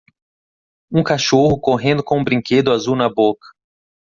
Um cachorro correndo com um brinquedo azul na boca.